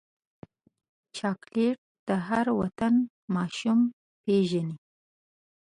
چاکلېټ د هر وطن ماشوم پیژني.